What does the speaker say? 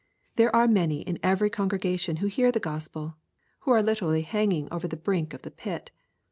There are many in every con gregation who hear the Gospel, who are literally hang ing over the brink of the pit.